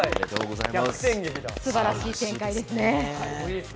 すばらしい展開ですね。